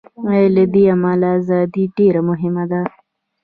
له دې امله ازادي ډېره مهمه ده.